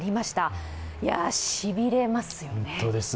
しびれますよね。